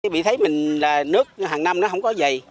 bị thấy mình là nước hàng năm nó không có dày